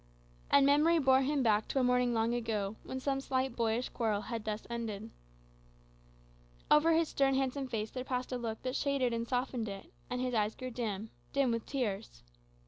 And memory bore him back to a morning long ago, when some slight boyish quarrel had been ended thus. Over his stern, handsome face there passed a look that shaded and softened it, and his eyes grew dim dim with tears.